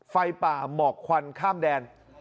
ไฟป่าหมอกควันข้ามแดน